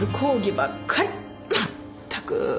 まったく。